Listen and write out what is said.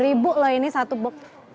tujuh ribu loh ini satu bu